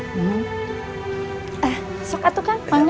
malik woman nampak dendam lagi